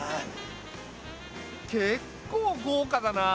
結構豪華だな！